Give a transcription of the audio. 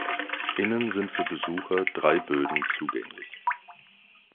Innen sind für Besucher drei Böden zugänglich.